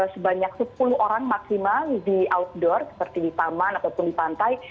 sebanyak sepuluh orang maksimal di outdoor seperti di taman ataupun di pantai